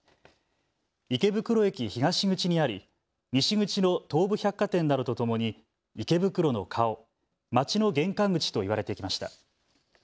池袋駅東口にあり、西口の東武百貨店などとともに池袋の顔、街の玄関口と言われてきました。